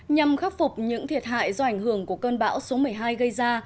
nhằm khắc phục những thiệt hại do ảnh hưởng của cơn bão số một mươi hai gây ra